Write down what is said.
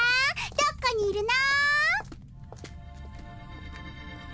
どこにいるの？